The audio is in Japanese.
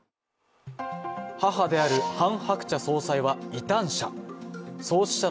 母であるハン・ハクチャ総裁は異端者。